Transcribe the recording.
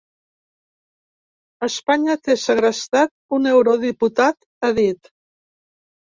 Espanya té segrestat un eurodiputat, ha dit.